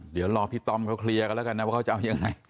เดี๋ยวรอพี่ต้อมเขาเคลียร์กันแล้วกันนะว่าเขาจะเอายังไง